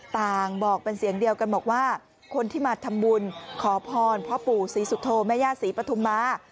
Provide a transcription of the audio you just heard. บอกเป็นเสียงเดียวกันบอกว่าคนที่มาทำบุญขอพรพ่อปู่ศรีสุโธแม่ย่าศรีปฐุมา